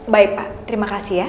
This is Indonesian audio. baik pak terima kasih ya